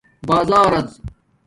بازارڎ